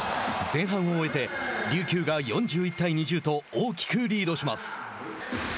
前半を終えて琉球が４１対２０と大きくリードします。